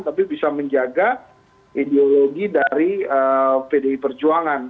tapi bisa menjaga ideologi dari pdi perjuangan